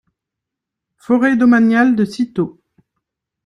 Forêt domaniale de Cîteaux.